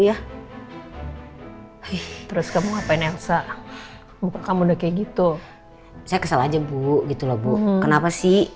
iya hai terus kamu ngapain elsa kamu udah kayak gitu saya kesal aja bu gitu lo bu kenapa sih